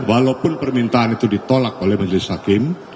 walaupun permintaan itu ditolak oleh majelis hakim